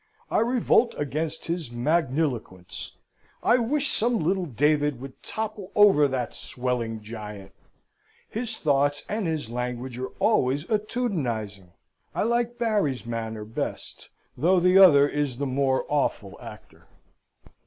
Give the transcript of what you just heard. I revolt against his magniloquence. I wish some little David would topple over that swelling giant. His thoughts and his language are always attitudinising. I like Barry's manner best, though the other is the more awful actor.